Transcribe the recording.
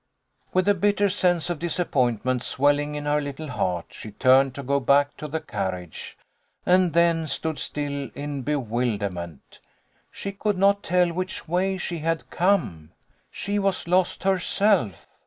With a bitter sense of disappointment swelling in her little heart, she turned to go back to the carriage, and then stood still in bewilderment. She could not tell which way she had come. She was lost herself